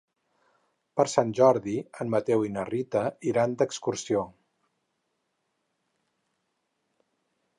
Per Sant Jordi en Mateu i na Rita iran d'excursió.